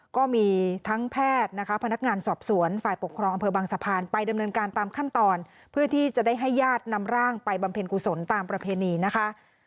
ก็มีทั้งแพทย์นะคะพนักงานสอบสวนฝ่ายปกครองอำเภอบางสะพานไปดำเนินการตามขั้นตอนเพื่อที่จะได้ให้ญาตินำร่างไปบำเพ็ญกุศลตามประเพณีนะคะ